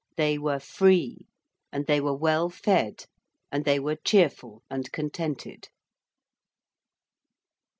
They were free: and they were well fed: and they were cheerful and contented.